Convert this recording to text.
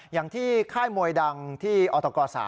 อย่างที่ค่ายมวยดังที่อตก๓